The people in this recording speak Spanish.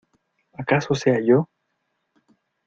¡ acaso sea yo!...